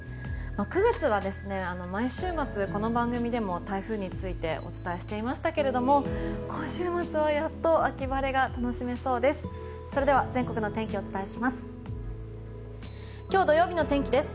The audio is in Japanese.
９月は毎週末この番組でも台風についてお伝えしていましたが今週末は、やっと秋晴れが楽しめそうです。